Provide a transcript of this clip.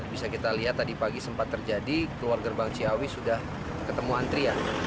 bisa kita lihat tadi pagi sempat terjadi keluar gerbang ciawi sudah ketemu antrian